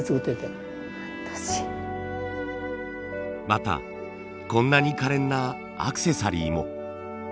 またこんなにかれんなアクセサリーも。